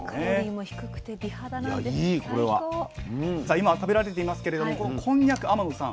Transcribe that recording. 今食べられていますけれどもこのこんにゃく天野さん